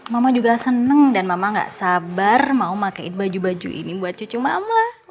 mama juga senang dan mama gak sabar mau pakai baju baju ini buat cucu mama